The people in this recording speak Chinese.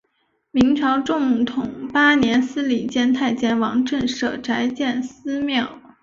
明朝正统八年司礼监太监王振舍宅建私庙。